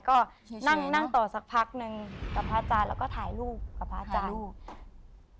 ก็นั่งนั่งต่อสักพักนึงกับพระอาจารย์แล้วก็ถ่ายรูปกับพระอาจารย์รูป